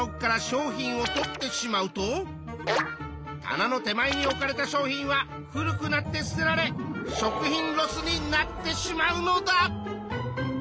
棚の手前に置かれた商品は古くなって捨てられ食品ロスになってしまうのだ！